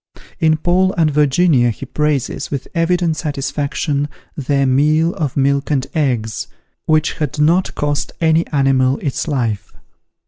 In "Paul and Virginia," he praises, with evident satisfaction, their meal of milk and eggs, which had not cost any animal its life.